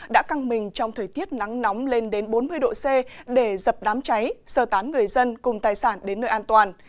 đã căng mình trong thời tiết nắng nóng lên đến bốn mươi độ c để dập đám cháy sơ tán người dân cùng tài sản đến nơi an toàn